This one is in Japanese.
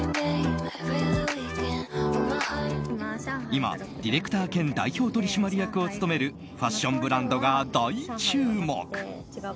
今、ディレクター兼代表取締役を務めるファッションブランドが大注目！